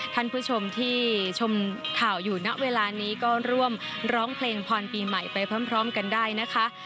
ท่านผู้ชมที่ชมข่าวอยู่ณเวลานี้ก็ร่วมร้องเพลงพรปีใหม่ไปพร้อมกันได้นะคะ